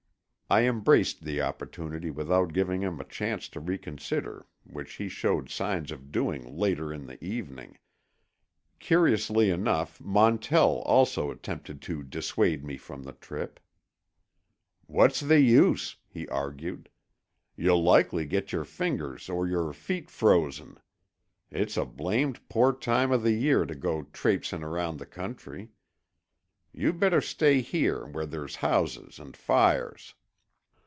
I embraced the opportunity without giving him a chance to reconsider which he showed signs of doing later in the evening. Curiously enough Montell also attempted to dissuade me from the trip. "What's the use?" he argued. "You'll likely get your fingers or your feet frozen. It's a blamed poor time of the year to go trapesin' around the country. You better stay here where there's houses and fires."